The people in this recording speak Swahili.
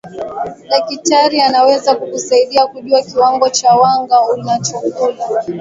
dakitari anaweza kukusaidia kujua kiwango cha wanga unachokula